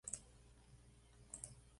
Nunca se ríe, da carcajadas.